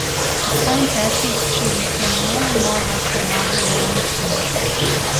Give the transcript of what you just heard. As time passes, she is becoming more and more like her mother Yeon-soon.